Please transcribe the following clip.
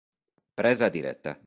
Presa diretta